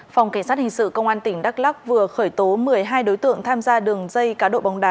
phòng cảnh sát hình sự công an tp hcm vừa khởi tố một mươi hai đối tượng tham gia đường dây cá độ bóng đá